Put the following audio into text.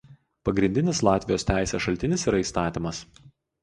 Pagrindinis Latvijos teisės šaltinis yra įstatymas.